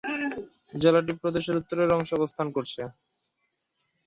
জেলাটি প্রদেশের উত্তরের অংশে অবস্থান করছে।